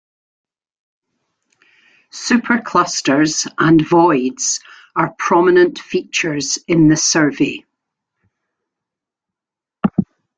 Superclusters and voids are prominent features in the survey.